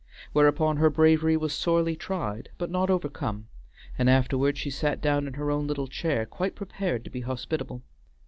Whereupon her bravery was sorely tried, but not overcome, and afterward she sat down in her own little chair, quite prepared to be hospitable.